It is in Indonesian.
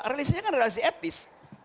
relasinya kan relasi etis